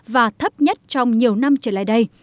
và thấp nhất trong nhiều năm trở lại đây